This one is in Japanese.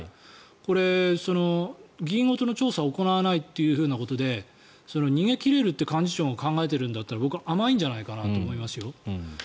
これ、議員ごとの調査は行わないということで逃げ切れるって幹事長が考えているんだったら僕は甘いんじゃないかなと思いますよ。